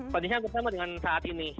kondisinya hampir sama dengan saat ini